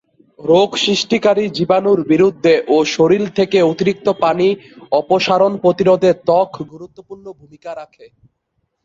রোগ সৃষ্টিকারী জীবাণুর বিরুদ্ধে ও শরীর থেকে অতিরিক্ত পানি অপসারণ প্রতিরোধে ত্বক গুরুত্বপূর্ণ ভূমিকা রাখে।